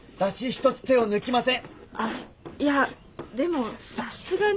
あっいやでもさすがに。